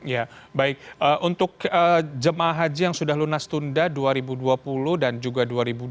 ya baik untuk jemaah haji yang sudah lunas tunda dua ribu dua puluh dan juga dua ribu dua puluh